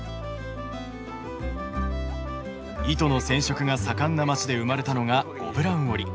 糸の染色が盛んな街で生まれたのがゴブラン織り。